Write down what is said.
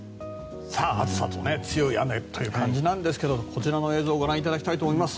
暑さと強い雨という感じですがこちらの映像をご覧いただきたいと思います。